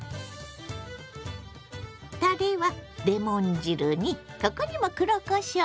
たれはレモン汁にここにも黒こしょう！